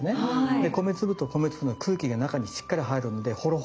で米粒と米粒の空気が中にしっかり入るのでホロホロとした食感。